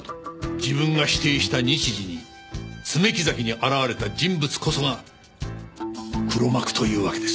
自分が指定した日時に爪木崎に現れた人物こそが黒幕というわけです。